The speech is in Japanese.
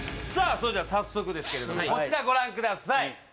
それでは早速ですけれどもこちらご覧ください